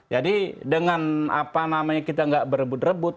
jadi dengan apa namanya kita nggak berebut rebut